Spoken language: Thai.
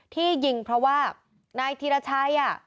ที่ยิงเพราะว่านายธีรชัย